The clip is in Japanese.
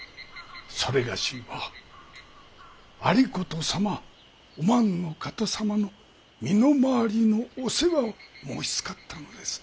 それがしは有功様お万の方様の身の回りのお世話を申しつかったのです。